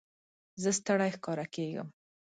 زه ستړی ښکاره کېږم.